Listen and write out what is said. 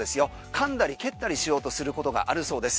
かんだり蹴ったりしようとすることがあるそうです。